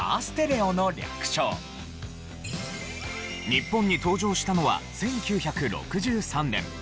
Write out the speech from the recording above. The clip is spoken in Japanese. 日本に登場したのは１９６３年。